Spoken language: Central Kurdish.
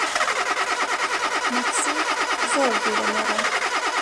مەکسیک زۆر دوورە لێرە.